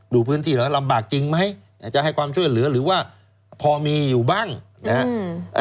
ดูพื้นที่เหรอลำบากจริงไหมจะให้ความช่วยเหลือหรือว่าพอมีอยู่บ้างนะฮะ